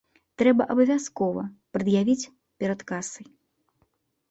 Трэба абавязкова прад'явіць перад касай.